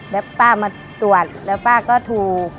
แล้วป้ามาตรวจแล้วป้าก็ถูก